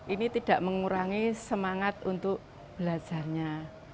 ini tidak mengurangi semangat untuk belajarnya